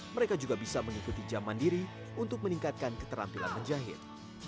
mereka juga bisa mengikuti jam mandiri untuk meningkatkan keterampilan menjahit